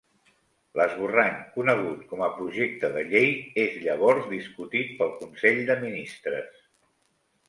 L'esborrany, conegut com a projecte de llei, és llavors discutit pel Consell de Ministres.